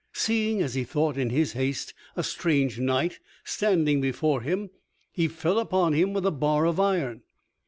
Seeing, as he thought in his haste, a strange knight standing before him he fell upon him with a bar of iron.